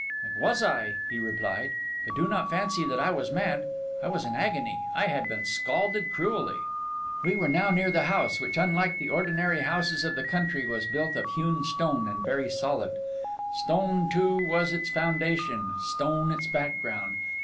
'It was I,' he replied; 'but do not fancy that I was mad. I was in agony. I had been scalded cruelly.' We were now near the house, which, unlike the ordinary houses of the country, was built of hewn stone and very solid. Stone, too, was its foundation, stone its background.